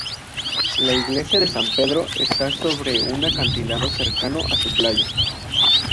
La iglesia San Pedro esta sobre un acantilado cercano a su playa.